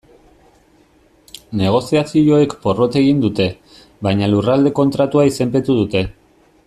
Negoziazioek porrot egin dute, baina Lurralde Kontratua izenpetu dute.